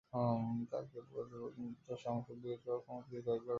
তাঁকে প্রদত্ত সংসদ বিলুপ্ত করার ক্ষমতা তিনি কয়েকবার ব্যবহার করেছিলেন।